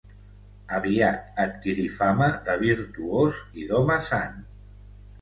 Aviat adquirí fama de virtuós i d'home sant.